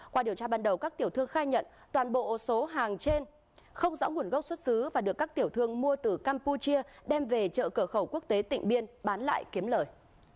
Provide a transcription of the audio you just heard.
qua điều tra ban đầu các tiểu thương khai nhận toàn bộ số hàng trên không rõ nguồn gốc xuất xứ và được các tiểu thương mua từ campuchia đem về chợ cửa khẩu quốc tế tịnh biên bán lại kiếm lời